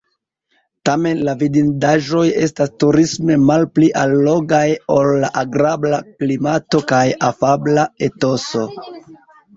Tamen la vidindaĵoj estas turisme malpli allogaj ol la agrabla klimato kaj afabla etoso.